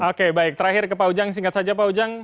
oke baik terakhir ke pak ujang singkat saja pak ujang